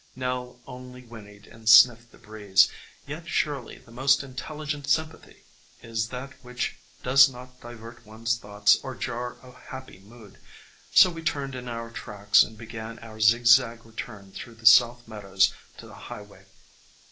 Nell only whinnied and sniffed the breeze, yet surely the most intelligent sympathy is that which does not divert one's thoughts or jar a happy mood; so we turned in our tracks and began our zigzag return through the south meadows to the high way.